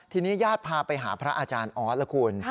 ทีนี้ญาติพาไปหาพระอาจารย์ออสละคุณ